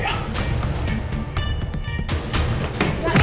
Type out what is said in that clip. udah gak ada